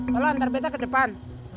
kalau antar beta ke depan